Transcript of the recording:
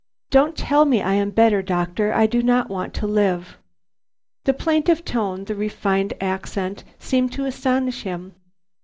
"Don't tell me I am better, doctor. I do not want to live." The plaintive tone, the refined accent, seemed to astonish him.